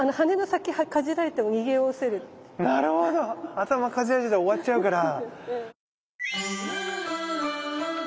頭かじられたら終わっちゃうから。